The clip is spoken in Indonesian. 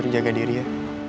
putri jaga diri ya